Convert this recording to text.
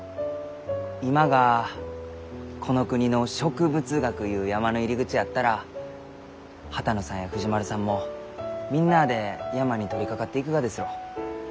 今がこの国の植物学ゆう山の入り口やったら波多野さんや藤丸さんもみんなあで山に取りかかっていくがですろう？